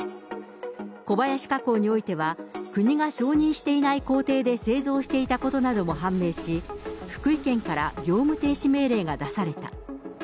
小林化工においては国が承認していない工程で製造していたことなども判明し、福井県から業務停止命令が出された。